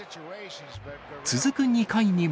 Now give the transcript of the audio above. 続く２回にも。